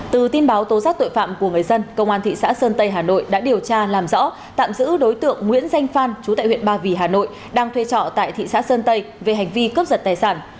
từ tin báo tố giác tội phạm của người dân công an thị xã sơn tây hà nội đã điều tra làm rõ tạm giữ đối tượng nguyễn danh phan chú tại huyện ba vì hà nội đang thuê trọ tại thị xã sơn tây về hành vi cướp giật tài sản